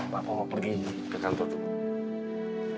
papa mau pergi ke kantor dulu